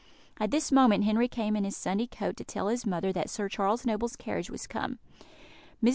At this moment Henry came in his Sunday coat to tell his mother that Sir Charles Noble's carriage was come. Mrs.